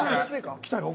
来たよ。